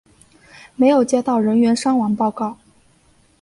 没有接到人员伤亡报告。